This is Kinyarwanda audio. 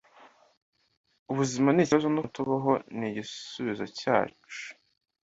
ubuzima nikibazo nukuntu tubaho nigisubizo cyacu.